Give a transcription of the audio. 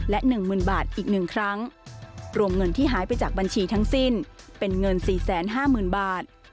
และหนึ่งหมื่นบาทอีกหนึ่งครั้งรวมเงินที่หายไปจากบัญชีทั้งสิ้นเป็นเงินสี่แสนห้าหมื่นบาท